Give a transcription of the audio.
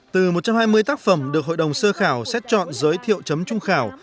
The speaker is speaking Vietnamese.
từ một trăm hai mươi tác phẩm được hội đồng sơ khảo xét chọn giới thiệu chấm trung khảo